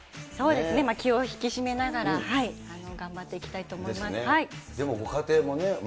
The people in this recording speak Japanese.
そうですね、気を引き締めながら、頑張っていきたいと思います。ですね。